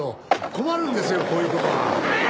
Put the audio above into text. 困るんですよこういう事は。